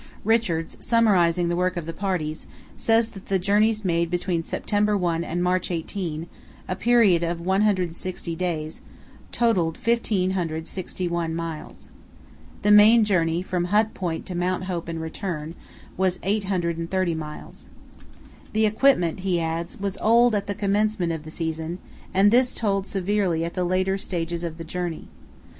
Richards, summarizing the work of the parties, says that the journeys made between September 1 and March 18, a period of 160 days, totalled 1561 miles. The main journey, from Hut Point to Mount Hope and return, was 830 miles. "The equipment," he adds, "was old at the commencement of the season, and this told severely at the later stages of the journey.